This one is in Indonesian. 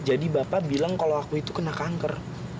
mas jadi bapak bilang kalau aku itu kena kanker